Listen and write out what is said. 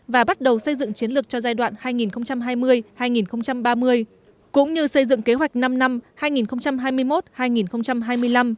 và bắt đầu xây dựng chiến lược cho giai đoạn hai nghìn hai mươi hai nghìn ba mươi cũng như xây dựng kế hoạch năm năm hai nghìn hai mươi một hai nghìn hai mươi năm